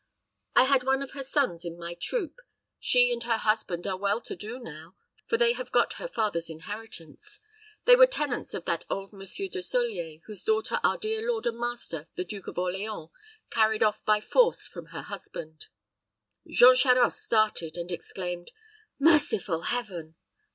I had one of her sons in my troop. She and her husband are well to do now, for they have got her father's inheritance. They were tenants of that old Monsieur de Solier whose daughter our dear lord and master, the Duke of Orleans, carried off by force from her husband." Jean Charost started, and exclaimed, "Merciful Heaven!"